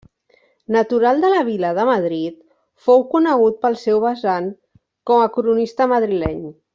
Natural de la vila de Madrid, fou conegut pel seu vessant com a cronista madrileny.